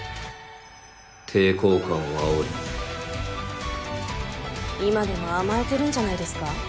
抵抗感を煽り今でも甘えてるんじゃないですか？